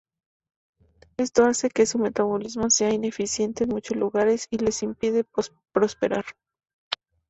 Esto hace que su metabolismo sea ineficiente en muchos lugares y les impide prosperar.